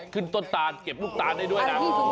ขึ้นต้นตานเก็บลูกตานซึ่งได้ด้วย